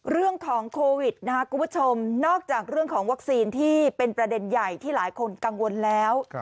เรื่องของโควิดนะครับคุณผู้ชมนอกจากเรื่องของวัคซีนที่เป็นประเด็นใหญ่ที่หลายคนกังวลแล้ว